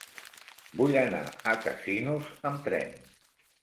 Vull anar a Casinos amb tren.